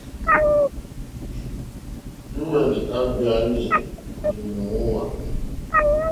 Lìhwɛ̀ndì á gbēánì lì mòóŋwà.